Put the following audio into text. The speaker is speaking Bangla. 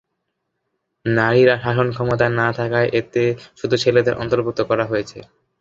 নারীরা শাসন ক্ষমতায় না থাকায় এতে শুধু ছেলেদের অন্তর্ভুক্ত করা হয়েছে।